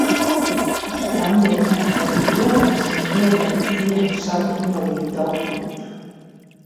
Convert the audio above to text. Uz Štramdiera neatlaidīgu lūgumu es viņam iedevu vienu savu invalīda dokumentu.